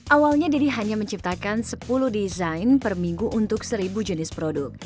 awalnya didi hanya menciptakan sepuluh desain per minggu untuk seribu jenis produk